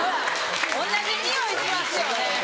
同じニオイしますよね。